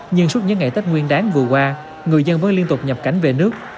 nhưng suốt những ngày tết nguyên đáng vừa qua người dân vẫn liên tục nhập cảnh về nước